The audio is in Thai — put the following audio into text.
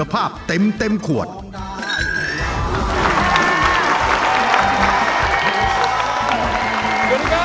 รายการต่อไปนี้เป็นรายการทั่วไปสามารถรับชมได้ทุกวัย